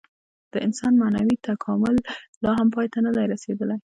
د انسان معنوي تکامل لا هم پای ته نهدی رسېدلی.